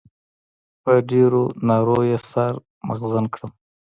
په ډېرو نارو يې سر مغزن کړم.